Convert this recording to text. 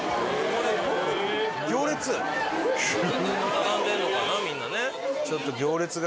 並んでるのかなみんなね。